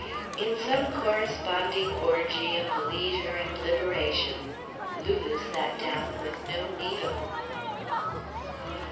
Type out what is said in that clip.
In some corresponding orgy of leisure and liberation, Lulu sat down with no needle.